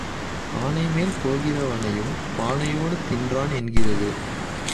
ஆனைமேல் போகிறவனையும் பானையோடு தின்றான் என்கிறது.